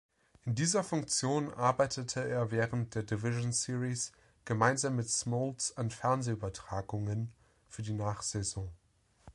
In dieser Funktion arbeitete er während der Division Series gemeinsam mit Smoltz an Fernsehübertragungen für die Nachsaison.